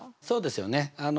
そうですよね。